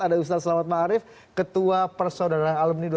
ada ustadz salamat ma'arif ketua persaudaraan alumni dua ratus dua belas